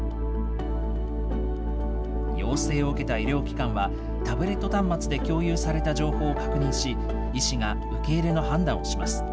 要請を受けた医療機関は、タブレット端末で共有された情報を確認し、医師が受け入れの判断をします。